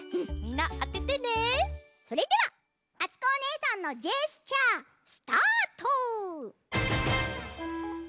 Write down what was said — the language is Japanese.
それではあつこおねえさんのジェスチャースタート！